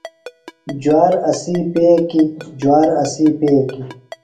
جوار اسی پیکِیۡ ، جوار اسی پیکِیۡ